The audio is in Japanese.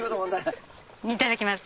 いただきます。